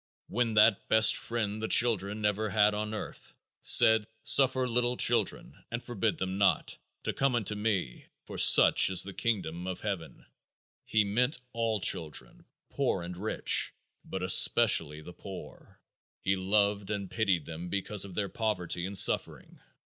When that best friend the children ever had on earth said, "Suffer little children and forbid them not, to come unto me; for such is the kingdom of heaven" he meant all children, poor and rich, but especially the poor. He loved and pitied them because of their poverty and suffering.